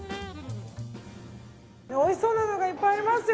おいしそうなのがいっぱいありますよ。